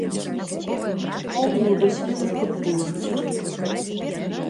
Наогул, вось вы за футболам сочыце?